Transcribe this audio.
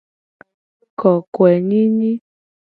Kokoenyinyi.